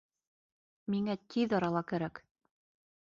Миңә тиҙ арала кәрәк